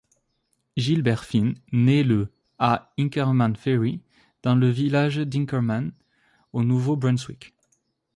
Gilbert Finn naît le à Inkerman-Ferry, dans le village d'Inkerman, au Nouveau-Brunswick.